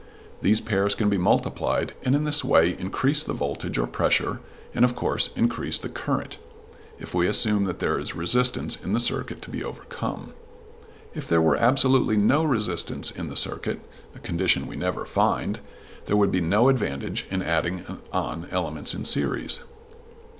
These pairs can be multiplied, and in this way increase the voltage or pressure, and, of course, increase the current, if we assume that there is resistance in the circuit to be overcome. If there were absolutely no resistance in the circuit a condition we never find there would be no advantage in adding on elements in series.